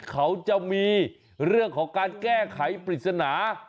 เขาจะมีเรื่องของการแก้ไขปริศนา